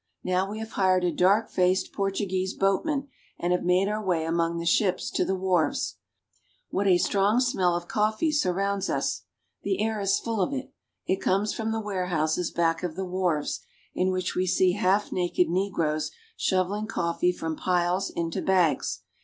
Now we have hired a dark faced Portuguese boat man, and have made our way among the ships to the wharves. What a strong smell of coffee surrounds us! The air is full of it. It comes from the warehouses back of the wharves, in which we see half naked negroes shoveling coffee from piles into bags.